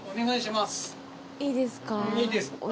いいです。